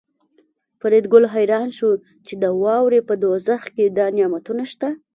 فریدګل حیران شو چې د واورې په دوزخ کې دا نعمتونه شته